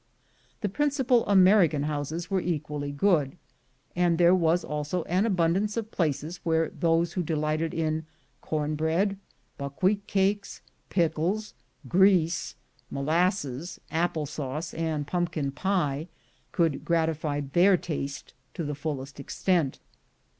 The principal American houses were equally good; and there was also an abundance of places where those who delighted in corn bread, buckwheat cakes, pickles, grease, molasses, apple sauce, and pumpkin pie, could gratify their taste to the fullest extent.